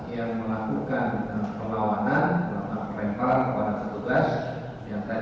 yang melakukan perlawanan melakukan pelemparan kepada petugas